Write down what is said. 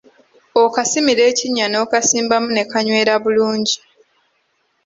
Okasimira ekinnya n’okasimbamu ne kanywera bulungi.